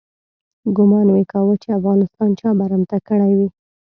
ګومان مې کاوه چې افغانستان چا برمته کړی وي.